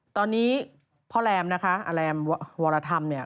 ตอนนี้พ่อแรมนะคะแรมวรธรรมเนี่ย